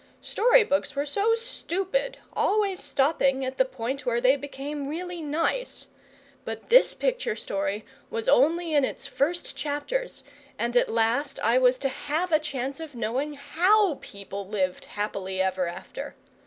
Story books were so stupid, always stopping at the point where they became really nice; but this picture story was only in its first chapters, and at last I was to have a chance of knowing HOW people lived happily ever after.